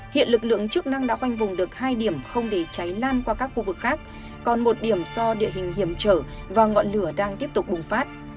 hiện lực lượng chức năng đã khoanh vùng được hai điểm không để cháy lan qua các khu vực khác còn một điểm do địa hình hiểm trở và ngọn lửa đang tiếp tục bùng phát